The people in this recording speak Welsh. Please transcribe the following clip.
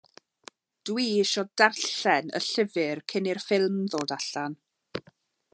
Dw i isio darllen y llyfr cyn i'r ffilm ddod allan.